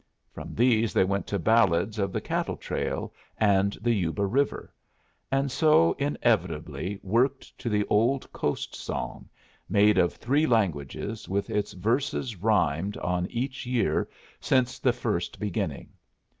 From these they went to ballads of the cattle trail and the Yuba River, and so inevitably worked to the old coast song, made of three languages, with its verses rhymed on each year since the first beginning.